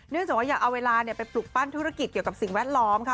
จากว่าอยากเอาเวลาไปปลุกปั้นธุรกิจเกี่ยวกับสิ่งแวดล้อมค่ะ